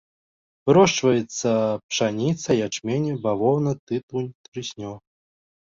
Вырошчваюцца пшаніца, ячмень, бавоўна, тытунь, трыснёг.